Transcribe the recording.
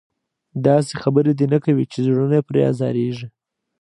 داسې خبره دې نه کوي چې زړونه پرې ازارېږي.